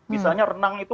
misalnya renang itu